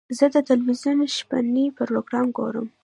زه د تلویزیون شپهني پروګرام ګورم.